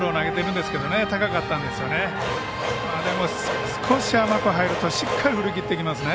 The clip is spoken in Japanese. でも少し甘く入るとしっかり振り切ってきますね